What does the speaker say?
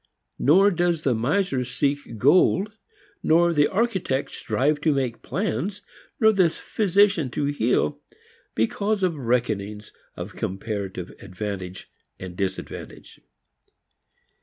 Nor does the miser seek gold, nor the architect strive to make plans, nor the physician to heal, because of reckonings of comparative advantage and disadvantage.